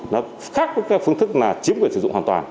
nó khác với cái phương thức là chiếm quyền sử dụng hoàn toàn